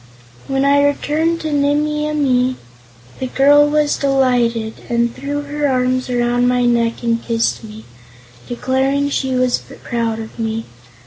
When I returned to Nimmie Amee, the girl was delighted and threw her arms around my neck and kissed me, declaring she was proud of me.